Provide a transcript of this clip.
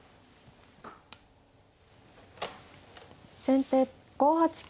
先手５八金。